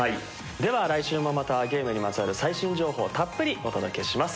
では来週もまたゲームにまつわる最新情報をたっぷりお届けします。